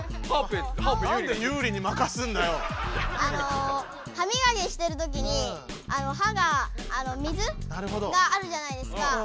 あのはみがきしてるときにはが水があるじゃないですか。